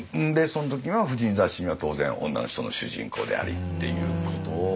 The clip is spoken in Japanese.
その時は婦人雑誌には当然女の人の主人公でありっていうことを。